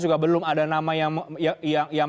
juga belum ada nama yang